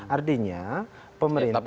artinya pemerintah betul